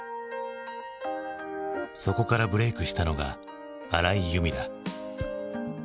そこからブレークしたのが荒井由実だ。